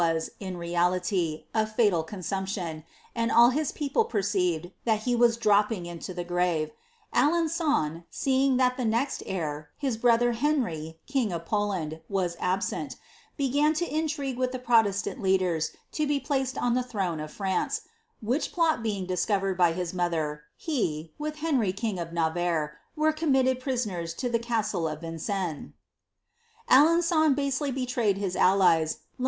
was, in reality, a fatal con and all his people perceived thai he was dropping into the gra ^on, seeing that the next heir, his brother, Henry, king of Pi absent, began to intrigue with the proiestant leaders to be plai throne of Francej which plot being discovered by his mothe Henry king of Navarre, were committed prisoners to the castle of Aleni^on basely betrayed his allies, la